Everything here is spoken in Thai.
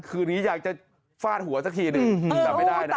คืนนี้อยากจะฟาดหัวสักทีหนึ่งแต่ไม่ได้นะ